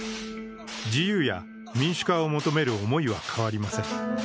自由や民主化を求める思いは変わりません。